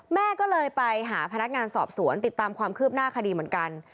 แม่ก็เลยไปหาพนักงานสอบสวนติดตามความคืบหน้าคดีเหมือนกัน